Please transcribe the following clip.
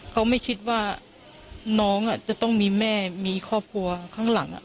เขาไม่คิดว่าน้องจะต้องมีแม่มีครอบครัวข้างหลัง